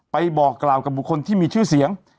บอกกล่าวกับบุคคลที่มีชื่อเสียง